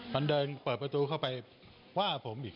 มันเดินเปิดประตูเข้าไปว่าผมอีก